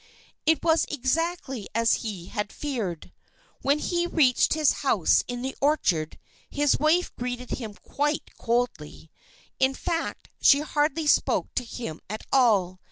It was exactly as he had feared. When he reached his house in the orchard his wife greeted him quite coldly. In fact, she hardly spoke to him at all.